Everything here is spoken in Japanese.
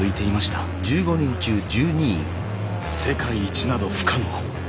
世界一など不可能。